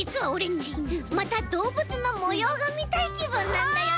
ちまたどうぶつのもようがみたいきぶんなんだよね。